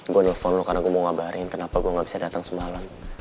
gue nelfon lu karena gue mau ngabarin kenapa gue nggak bisa datang semalam